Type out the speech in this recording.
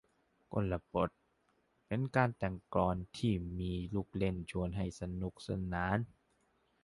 กลบท เป็นการแต่งโคลงกลอนที่มีลูกเล่นชวนให้สนุกสนาน